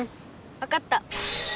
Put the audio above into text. わかった。